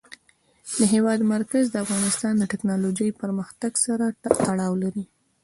د هېواد مرکز د افغانستان د تکنالوژۍ پرمختګ سره تړاو لري.